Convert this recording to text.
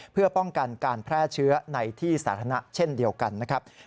เพื่อป้องกันการแพร่เชื้อในที่สาธารณะเช่นเดียวกันนะครับ